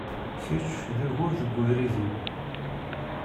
Kečč, d ugur deg ubrid-iw!